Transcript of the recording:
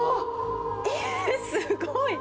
えっ、すごい。